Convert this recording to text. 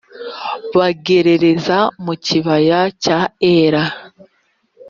bagerereza mu kibaya cya Ela